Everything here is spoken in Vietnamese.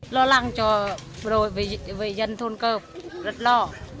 lo lắng cho bộ đội về dân thôn cơ rất lo